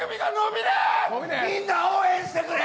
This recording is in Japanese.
みんな応援してくれ！